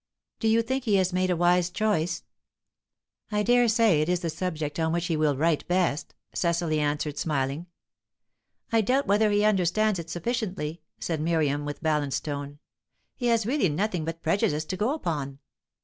"Do you think he has made a wise choice?" "I dare say it is the subject on which he will write best," Cecily answered, smiling. "I doubt whether he understands it sufficiently," said Miriam, with balanced tone. "He has really nothing but prejudice to go upon.